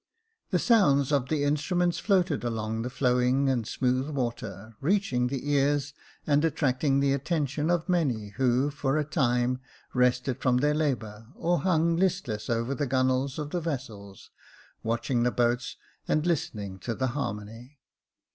The sounds of the instruments floated along the flowing and smooth water, reaching the ears and 266 Jacob Faithful attracting the attention of many who, for a time, rested from their labour, or hung listlessly over the gunnels of the vessels, watching the boats, and listening to the harmony.